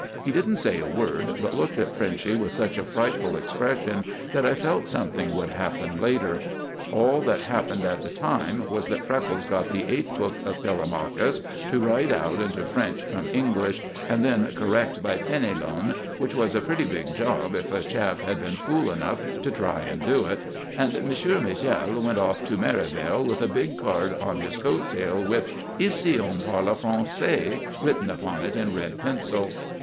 He didn't say a word, but looked at Frenchy with such a frightful expression that I felt something would happen later. All that happened at the time was that Freckles got the eighth book of Telemachus to write out into French from English, and then correct by Fénelon, which was a pretty big job if a chap had been fool enough to try and do it; and Monsieur Michel went off to Merivale with a big card on his coat tail with "Ici on parle Français" written upon it in red pencil.